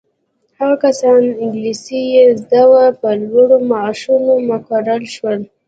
هغه کسان انګلیسي یې زده وه په لوړو معاشونو مقرر شول.